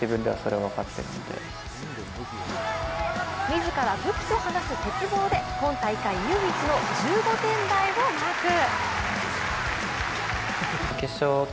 自ら武器と話す鉄棒で今大会唯一の１５点台をマーク。